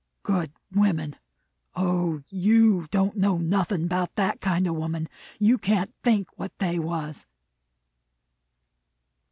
"Good women! O, you don't know nothin' 'bout that kind of woman! You can't think what they was!"